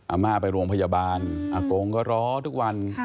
อาม่าไปโรงพยาบาลอากงก็ล้อทุกวัน